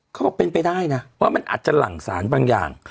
เขาบอกเป็นไปได้นะว่ามันอาจจะหลั่งสารบางอย่าง